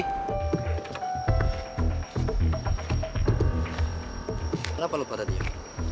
kenapa lo pada diam